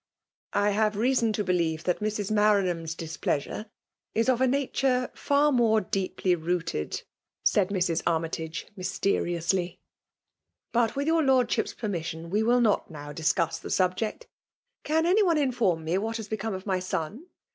'' I have reason to beliere that Mrs. Maran* ham*s displeasurp is of a nature far more deeply rooted," — said Mrs. Armytage mys teriously ;" but, wiA your Lordship^s permis sion, we will not now discuss the 8u1]}eet. Can any one inform me what has become of my son